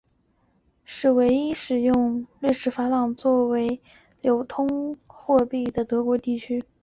布辛根乡镇是唯一的使用瑞士法郎作为流通货币的德国地区。